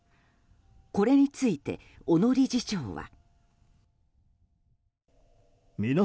これについて、小野理事長は。